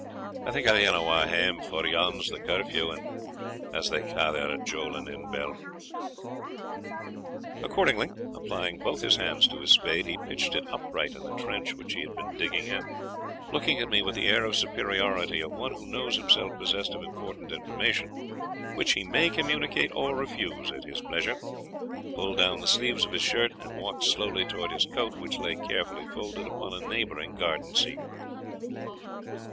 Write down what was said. I think, I'll e'en awa' hame, for yon's the curfew, as they ca' their jowing in bell." Accordingly, applying both his hands to his spade, he pitched it upright in the trench which he had been digging and, looking at me with the air of superiority of one who knows himself possessed of important information, which he may communicate or refuse at his pleasure, pulled down the sleeves of his shirt, and walked slowly towards his coat, which lay carefully folded up upon a neighbouring garden seat.